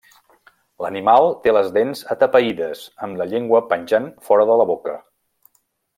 L'animal té les dents atapeïdes, amb la llengua penjant fora de la boca.